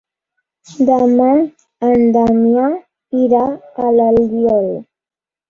Demà en Damià irà a l'Albiol.